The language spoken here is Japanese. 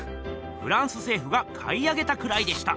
フランス政府が買い上げたくらいでした。